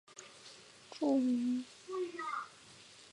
著名电机工程学家钟兆琳之子。